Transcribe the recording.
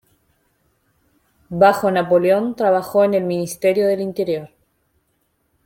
Bajo Napoleón, trabajó en el Ministerio del Interior.